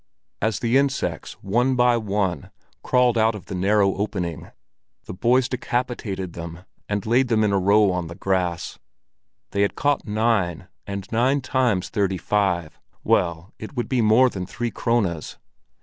As the insects one by one crawled out at the narrow opening, the boys decapitated them and laid them in a row on the grass. They had caught nine, and nine times thirty five—well, it would be more than three krones.